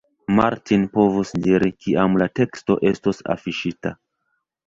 Martin povus diri, kiam la teksto estos afiŝita.